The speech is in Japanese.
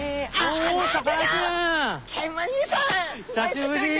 久しぶり！